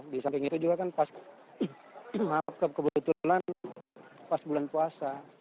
di samping itu juga kan pas market kebetulan pas bulan puasa